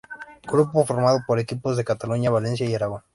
Grupo formado por equipos de Cataluña, Valencia y Aragón.